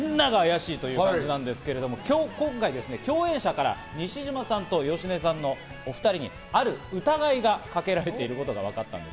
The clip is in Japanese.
みんなが怪しい感じなんですけど今回、共演者から西島さんと芳根さんのお２人にある疑いがかけられていることわかったんです。